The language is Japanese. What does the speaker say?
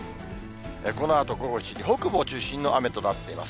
このあと午後７時、北部を中心の雨となっています。